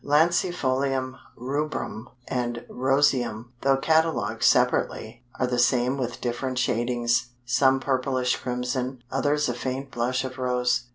Lancifolium Rubrum, and Roseum, though catalogued separately, are the same with different shadings. Some purplish crimson, others a faint blush of rose.